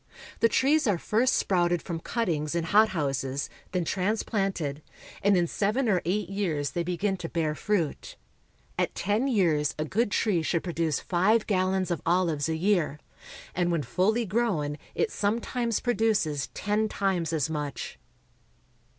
The trees are first sprouted from cuttings in hot houses, then transplanted, and in seven or eight years they begin to bear fruit. At ten years a good tree should produce five gallons of olives a year; and when fully grown it sometimes produces ten times as much.